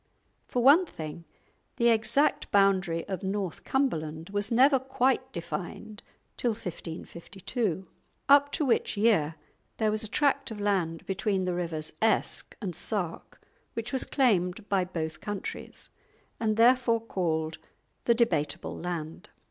For one thing, the exact boundary of North Cumberland was never quite defined till 1552; up to which year there was a tract of land between the rivers Esk and Sark, which was claimed by both countries, and therefore called the "Debateable Land."